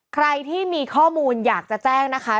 ใครที่มีข้อมูลอยากจะแจ้งนะคะ